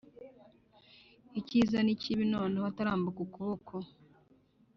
icyiza n ikibi noneho atarambura ukuboko